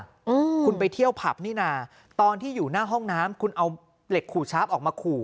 อืมคุณไปเที่ยวผับนี่น่ะตอนที่อยู่หน้าห้องน้ำคุณเอาเหล็กขู่ชาร์ฟออกมาขู่